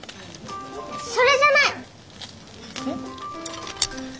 それじゃない！え？